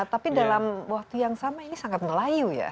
tapi dalam waktu yang sama ini sangat melayu ya